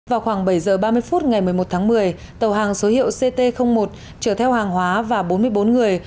vào khoảng bảy h ba mươi phút ngày một mươi một tháng một mươi tàu hàng số hiệu ct một chở theo hàng hóa và bốn mươi bốn người